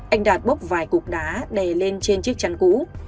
anh đạt bốc vài cục đá đầy lên trên chiếc chăn cũ